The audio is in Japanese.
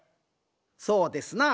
そうですな。